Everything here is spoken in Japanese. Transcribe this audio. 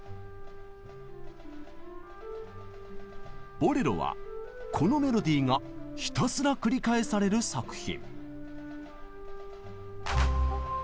「ボレロ」はこのメロディーがひたすらくり返される作品。